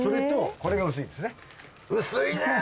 薄いね！